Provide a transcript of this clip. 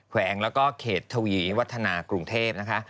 แวงแล้วก็เขตทวีวัฒนากรุงเทพนะคะ